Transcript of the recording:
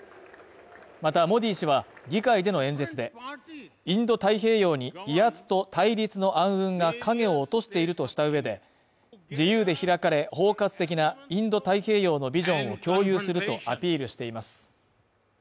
また、モディ氏は議会での演説で、インド太平洋に威圧と対立の暗雲が影を落としているとした上で、自由で開かれ、包括的なインド太平洋のビジョンを共有するとアピールしています。